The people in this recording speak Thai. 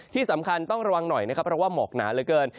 ที่สำคัญต้องระวังหน่อยนะครับเพราะว่าหมอกหนาเหลือเกิน